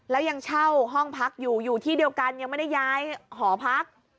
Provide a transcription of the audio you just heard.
แล้วยังเช่าห้องพักอยู่อยู่ที่เดียวกันยังไม่ได้ย้ายหอพัก